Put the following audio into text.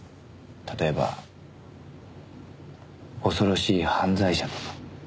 例えば恐ろしい犯罪者とか。